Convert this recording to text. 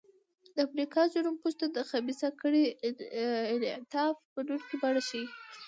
د امریکا جنوب موږ ته د خبیثه کړۍ انعطاف منونکې بڼه ښيي.